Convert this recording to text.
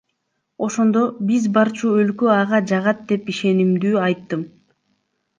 Ошондо, биз барчу өлкө ага жагат деп ишенимдүү айттым.